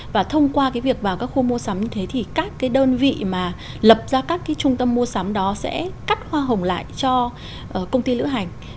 và thông qua cái việc vào các khu mua sắm như thế thì các cái đơn vị mà lập ra các cái trung tâm mua sắm đó sẽ cắt hoa hồng lại cho công ty lữ hành